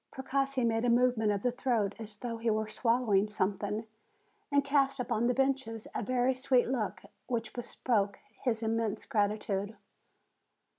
Precossi made a movement of the throat as though he were swallowing something, and cast upon the benches a very sweet look, which bespoke his immense gratitude.